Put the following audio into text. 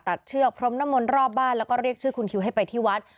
เชือกพรมน้ำมนต์รอบบ้านแล้วก็เรียกชื่อคุณคิวให้ไปที่วัด